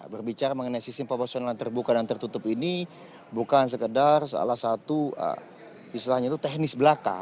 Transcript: berbicara mengenai sistem proporsional terbuka dan tertutup ini bukan sekedar salah satu istilahnya itu teknis belaka